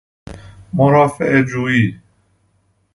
مرافعه جوئی